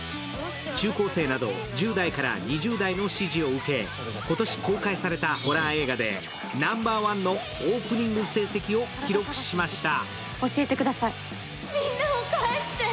中高生など１０代から２０代の支持を受け今年公開されたホラー映画でナンバーワンのオープニング成績を記録しました。